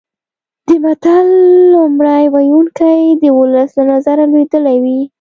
د متل لومړی ویونکی د ولس له نظره لوېدلی وي